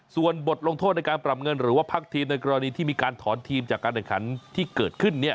ส่วนบทลงโทษในการปรับเงินหรือว่าพักทีมในกรณีที่มีการถอนทีมจากการแข่งขันที่เกิดขึ้น